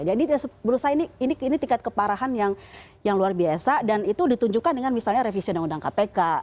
jadi berusaha ini tingkat keparahan yang luar biasa dan itu ditunjukkan dengan misalnya revision undang undang kpk